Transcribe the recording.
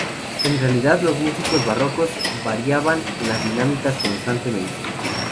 En realidad, los músicos barrocos variaban las dinámicas constantemente.